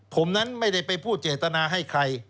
ผมนั้นไม่ได้ไปพูดเจตนาให้ใคร